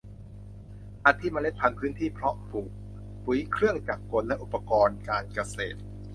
อาทิเมล็ดพันธุ์ พื้นที่เพาะปลูก ปุ๋ย เครื่องจักรกลและอุปกรณ์การเกษตร